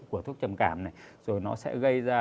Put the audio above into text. của thuốc trầm cảm này rồi nó sẽ gây ra